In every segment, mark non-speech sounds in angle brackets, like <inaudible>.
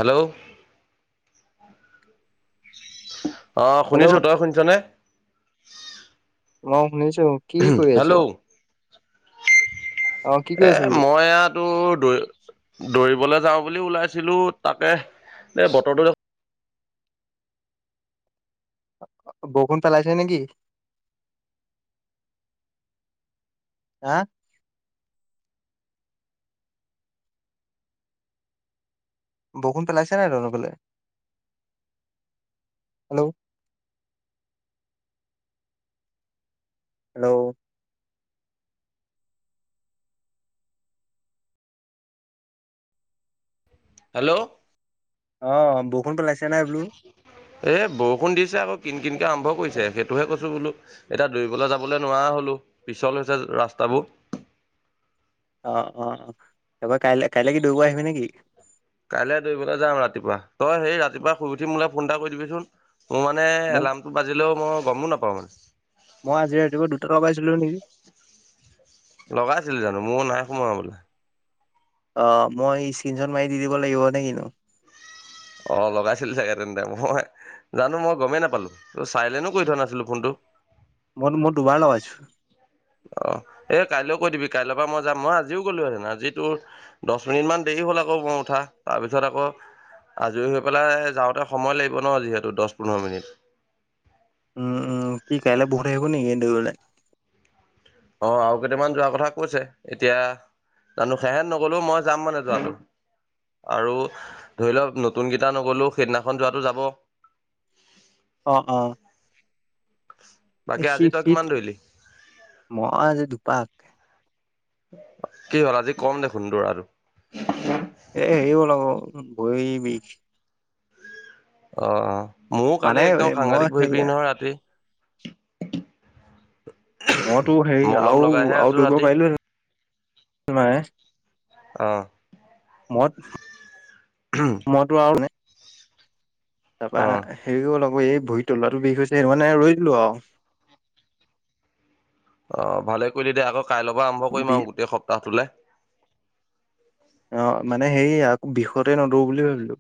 Hello আহ শুনিছো hello তই শুনিছ নে? মই শুনিছো কি কৰি হেল্ল' আছ? অ কি কৰি এ আছো বোলো মই ইয়াতটো দৌ দৌৰিবলে যাওঁ বুলি ওলাইছিলো তাকে এই বতৰটো দেখ বৰষূণ পেলাইছে নেকি হা বৰষূণ পেলাইছে নাই তহটৰফলে হেল্ল' হেল্ল' হেল্ল' অ' বৰষুণ পেলাইছে নাই বোলো। এ বৰষুণ দিছে আকৌ কিন কিনকে আৰম্ভ কৰিছে সেইটোহে কৈছো বোলো এতিয়া দৌবলৈ যাবলৈ নোৱাৰা হলো। পিছল হৈছে ৰাস্তাবোৰ। অ' অ' অ 'তাৰপৰা কাই কাইলে কি দৌব আহিবি নেকি? কাইলৈ দৌৰিবলৈ যাম ৰাতিপুৱা তই সেই ৰাতিপুৱা শুই উঠি মোলে ফোন এটা কৰি দিবিচোন। মোৰ মানে মোক এলাৰ্মটো বাজিলেও মই গমো নাপাওঁ মই আজি ৰাতিপুৱা দুটা লগাইছিলো নেকি মানে। লগাইছিলো জানো মোৰ নাই সোমোৱা বোলে। অ' মই স্ক্ৰনশ্বট মাৰি দি দিব লাগিব নে কন্তু অ লগাইছিল চাগে তেন্তে মই জানো মই গমেই নাপালো ত চাইলেনো কৰি থোৱা নাছিলো ফোনটো মন মটো বালৱছ অ এই কাইলৈ কৈ দিবি কাইলৈৰ পৰা মই যাম মই আজিও গ'লো হেতেন আ যি তোৰ দহ মিনিট মান দেৰি হল আকৌ বওঁ উঠা তাৰপিছত আকৌ আজৰি হৈ পেলাই যাওঁতে সময় লাগিব ন যিহেতু দহ পোন্ধৰ মিনিট উম উম কি কাইলৈ পৰসিলে আহিব নেকি দৰিবলে অ আৰু কেইটামান যোৱাৰ কথা কৈছে এতিয়া জানো সেহেন নকলো মই যাম মানে তহো আৰু ধৰি লওক নতুনকেইটা নগলো সেইদিনাখন যোৱাতটো যাব অ অ বাকী শি আজি তই শীত কিমান দৌৰিলি মই দুপাক কি হল আজি কম দেখোন দোৰ আৰু এ হেৰি হল আকৌ ভৰি বিষ অ মোৰো মানে কালি একদম মই সাংঘাটক ভৰি সেই বিষ নহয় ৰাতি মইতো হেৰি মলম আৰু লগাইহে আৰু আছো দৌৰিব ৰাতি পাৰিলো নাই আহ মত মইতো আৰু নাই তাৰপা অ হেৰি কৰিবলপ অ এই ভৰি তললটো বিষ হৈছে সেই মানে ৰৈ দিলো আৰু অ ভালে কৰিলি দে আকৌ কাইলৈব আৰম্ভ কৰিম বি আৰু গোটেই সপ্তাহটোলে আহ মানে সেই আকৌ বিষতে নদো বুলি ভাবিলো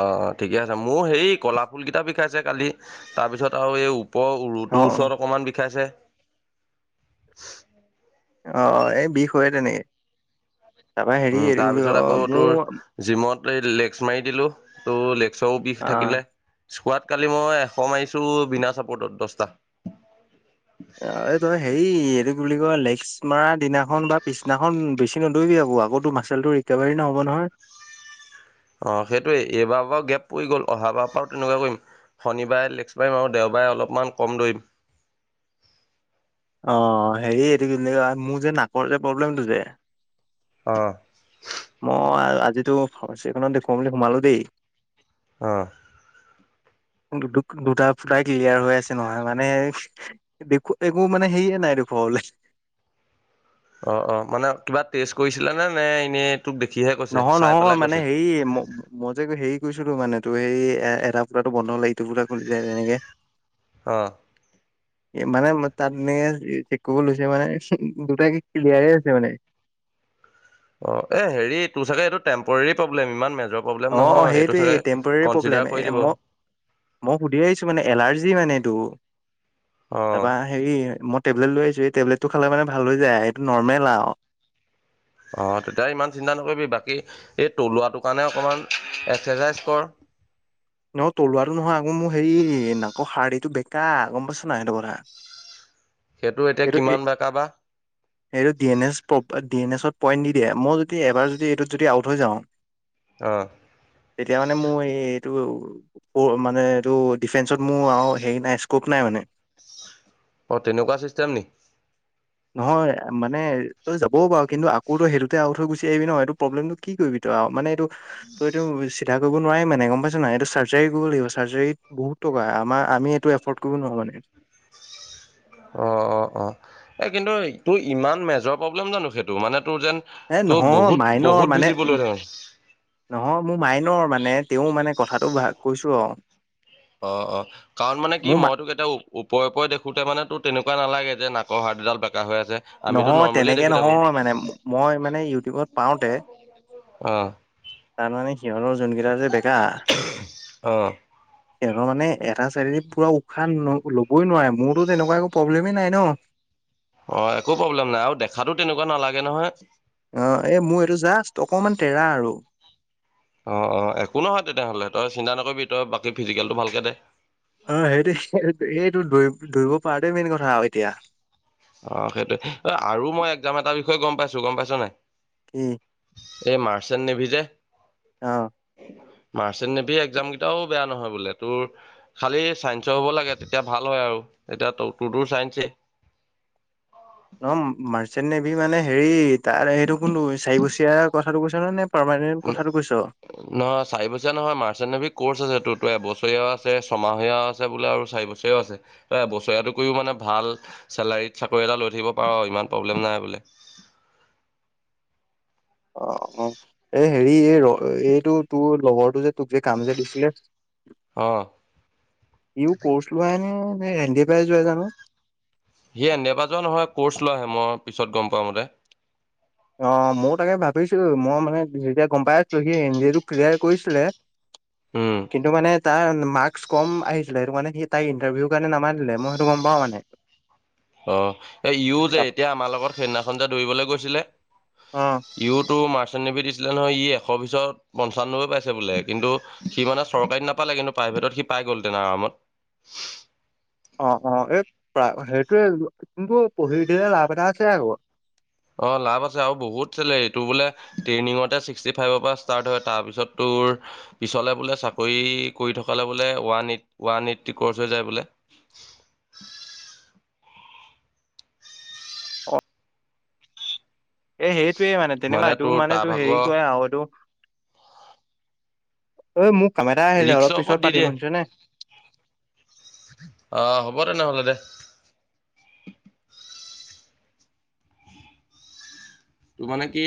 অ ঠিকে আছে মোৰ হেৰি কলা ফুল কেইটা বিষাইছে কালি তাৰপিছত আৰু এই প অ ৰুটোৰ ওচৰত অকমান বিষাইছে আহ এই বিষ হয় তেনেকে তাৰাপা হেৰি উম হেৰি তাৰপিছত অ আকৌ তোৰ মোৰ জিমত লেগছ মাৰি দিলো ত' লেগছৰও বিষ আহ থাকিলে স্কোৱাত কালি মই এশ মাৰিছোঁ বিনা চাপৰ্টত দহটা আৰু ত হেই এৰি গিক লেগ মৰা দিনাখন বা পিছদিনাখন বেছি নদৰিবি আকৌ আকৌ মাচেল টো ৰিকভাৰী নহ'ব নহয় হয় অ সেইটোয়ে এইবাৰ পৰা গেপ পৰি গ'ল অহাৰ পৰাও তেনেকুৱা কৰিম শনিবাৰে নেকসবাৰিম আৰু দেওবাৰে অলপমান কম দৌৰিম অ হেৰি এইটো কি মোৰ যে নাকৰ যে প্ৰব্লেমটো যে অ মই আজিতো এই ফাৰ্মাচী এখনত দেখুৱাম বুলি সোমালো দেই আহ দুটা ফুটাই ক্লিয়াৰ হৈ আছে নহয় মানে দেখো একো মানে হেৰিয়ে নাই দেখো হলে অ' অ' মানে কিবা টেষ্ট কৰিছিলা নে নে এনেই তোক দেখিহে কৈছে নহয় চাই নহয় পেলাই মানে কৈছে হেৰি ম মই যে হে কৈছিলো মানে তো সেই এধটা পোাতটো বন্ধ হলাই ইটো পোা খ তেনেকে আহ মানে তাত এে চ ক লৈছে মানে দুটাকে ক্লিয়াৰ হৈছে মানে অ' এ হেৰি তোৰ চাগে এইটো টেম্পৰাৰী প্ৰব্লেম, ইমান মে অ' সেইটোৱেই টেম্পৰেৰী প্ৰব্লেম। কৰি এ দিব মই মই সুধি আহিছো মানে এলাৰ্জি মানে এইটো, অ তাৰাপা হেৰি ম টেবলেট লৈ আহিছো। এই টেবলেটটো খালে মানে ভাল হৈ যায়, এইটো নৰ্মেল আৰু অ' তেতিয়া ইমান চিন্তা নকৰিবি বাকী এই তলুৱাটোৰ কাৰণে অকমান এক্সাৰচাইজ কৰ। ন তলুৱটো নহয় আকৌ মোৰ হেই নাকৰ হাড়দিটো বেকা গম পাইছ না সেইটো কথা। সেইটো এতিয়া এইটো এ কিমান বেকা বা এইটো ডি এন এছ প্ৰ ডি এন এছত পইণ্ট দি দিয়ে, মই যদি এবাৰ যদি এইটোত যদি আউট হৈ যাওঁ অ তেতিয়া মানে মোৰ এই এইটো মানে এইটো ডিফেন্সত মোৰ আৰু হেৰি নাই স্কোপ নাই মানে। অ তেনেকুৱা চিষ্টেম নি। নহয় মানে তই যাবও পাৰ, কিন্তু আকৌ তো সেইটোতে আউট হৈ গুছি আহিবি নহয় এইটো প্ৰব্লেমটো কি কৰিবি তই। মানে এইটো তই এইটো চিধা কৰিব নোৱাৰি মানে গম পাইছ ন এইটো চাৰ্জাৰী কৰিব লাগিব। চাৰ্জাৰীত বহুত ট আমাৰ আমি এইটো এফৰ্ড কৰিব নোৱাৰো মানে। অ' অ' অ' এই কিন্তু এইটো ইমান মেজৰ প্ৰব্লেম জানো সেইটো? ত' মানে তোৰ যেন এ তোৰ নহয় বহুত মাইনৰ বহুত মানে ভিজিবল হৈ থাক। নহয় মোৰ মাইনৰ মানে তেওঁ মানে কথাটো ভা কৈছো আৰু। অ' অ' কাৰণ মানে কি মোৰ মই তোক এতিয়াও ওপৰে ওপৰে দেখোতে মানে তোৰ তেনেকুৱা নালাগে। যে নাক হাড়দিডাল বে নহয় তেনেকে নহয় মানে, মই মানে ইউটিউবত পাওঁতে অ'। তাৰমানে সিহঁতৰ যোনকেইটা যে বেকা অ', সিহঁৰ মানে এটা চাইডেদি পুৰা উশাহ লবৈ নোৱাৰে, মোৰতো তেনেকুৱা একো প্ৰব্লেমেই নাই ন। অ' একো প্ৰব্লেম নাই, আৰু দেখাতো তেনেকুৱা নালাগে নহয়। অ' এই মোৰ এইটো জাষ্ট অকনমান টেৰা আৰু। অ' অ' একো নহয় তেনেহ'লে তই চিন্তা নকৰিবি, তই বাকী ফিজিকেলটো ভালকে দে। অ' সেইটো এইটো দৰি দৌৰিব পৰাটোৱে মেইন কথা আৰু এতিয়া অ' সেইটোয়ে, আৰু মই এক্সাম এটাৰ বিষয়ে গম পাইছো গম পাইছ নে নাই। উম এই মাৰ্চেণ্ট নেভি যে অ' মাৰ্চেণ্ট নেভি এক্সমকেইটাও বেয়া নহয় বোলে, তোৰ খালী ছাইন্সৰ হ'ব লাগে তেতিয়া ভাল হয় আৰু। এতিয়া ত ত তোৰটো চাইঞ্চেই। ন মাৰ্চেণ্ট নেভি মানে হেৰি তাৰ এইটো কোনটো চাৰিবছৰীয়া কথাটো কৈছ নে, নে পাৰমানেণ্ট কথাটো কৈছ নহয় চাৰি বছীয়া নহয় মাৰ্চেণ্ট নেভি ক'ৰ্চ আছেটো তো এবছৰীয়াও আছে ছমাহীয়াও আছে বোলে আৰু চাৰি বছৰীয়াও আছে। ত এবছৰীয়াটো কৰিও মানে ভাল চেলাৰীত চাকৰি এটা লৈ থাকিব পাৰ ইমান প্ৰব্লেম নাই বোলে। অ, অ, এই হেৰি এই ৰ এইটো তোৰ লগৰটো যে তোক যে কাম যে দিছিলে অ ইও কৰ্চ লোৱা হে নে এনডিএৰ পৰা যোৱা যানো। সি এনডিএৰ পৰা যোৱা নহয়, কৰ্চ লোৱাহে, মই পিছত গ'ম পোৱা মতে। অ' মইয়ো তাকে ভাবিছিলো, মই মানে যেতিয়া গম পাই আছিলো সি এনডিএটো ক্লিয়াৰ কৰিছিলে উম কিন্তু মানে তাৰ মাৰ্কচ কম আহিছিলে সেইটো মানে সি তাই ইণ্টাৰভিউৰ কাৰণে নামাতিলে, মই সেইটো গ'ম পাওঁ মানে। অ' এ ইও যে তাপ এতিয়া আমাৰ লগত সেইদিনাখন যে দৌৰিবলৈ গৈছিলে অ ইউটো ম ভিউ দিছিলে নহয়, ই এশৰ ভিতৰত পঞ্চানবৈ পাইছে বোলে, কিন্তু সি মানে চৰকাৰীত নাপালে কিন্তু প্ৰা ভিতৰত সি পাই গ'ল হে'তেনে আৰামত অ, অ, এই সেইটোৱে কিন্তু পঢ়ি দিলে লাভ এটা আছে আকৌ অ, লাভ আছে আৰু বহুত চেলাৰী এইটো বোলে ট্ৰেইনিঙতে ছিক্সটি ফাইভৰ পৰা ষ্টাৰ্ট হয় তাৰপিছতটো তোৰ পিছলে বোলে চাকৰি কৰি থকা বোলে one eighty one eighty course হৈ যায় বোলে। <inaudible> এ সেইটোৱে মানে তেনেকুৱাাই তোৰ মানে তোৰ হেৰি কৰে আ এই তো তই মোক কাম এটা আহিলে ৰিক্সৰ অলপ ওপৰত পিছত দি দিয়ে। পাতিম শুনিছ নে অ হ'ব <inaudible> ত মানে কি